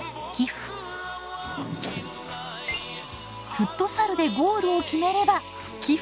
フットサルでゴールを決めれば寄付。